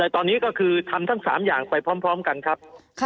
ตอนนี้ก็คือทำทั้ง๓อย่างไปพร้อมกันครับ